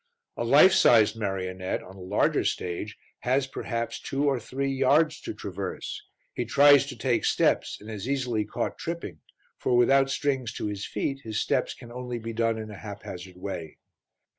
A life sized marionette, on a larger stage, has, perhaps, two or three yards to traverse; he tries to take steps and is easily caught tripping, for without strings to his feet his steps can only be done in a haphazard way.